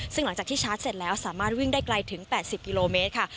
ซึ่งหลังจากที่ชาร์จเสร็จแล้วสามารถวิ่งได้ไกลถึง๘๐กิโลเมตรค่ะ